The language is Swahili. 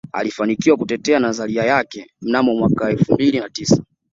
Alifanikiwa kutetea nadharia yake mnamo mwaka elfu mbili na tisa